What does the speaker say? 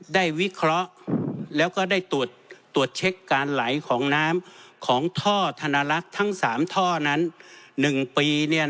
วิเคราะห์แล้วก็ได้ตรวจเช็คการไหลของน้ำของท่อธนลักษณ์ทั้ง๓ท่อนั้น๑ปี